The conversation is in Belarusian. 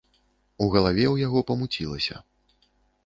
У галаве ў яго памуцілася.